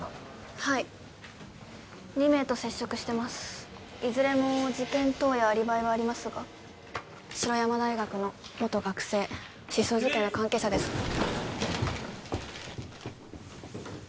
はい二名と接触してますいずれも事件当夜アリバイはありますが白山大学の元学生失踪事件の関係者です・起立！